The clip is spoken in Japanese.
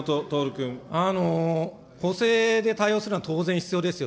補正で対応するのは当然必要ですよ。